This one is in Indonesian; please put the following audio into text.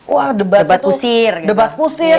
wah debat itu debat pusir